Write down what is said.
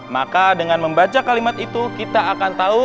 maka dengan membaca kalimat itu kita akan tahu